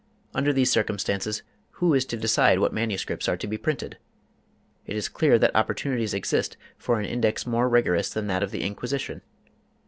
Under these circumstances, who is to decide what MSS. are to be printed? It is clear that opportunities exist for an Index more rigorous than that of the Inquisition.